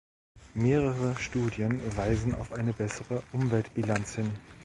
Mehrere Studien weisen auf eine bessere Umweltbilanz hin.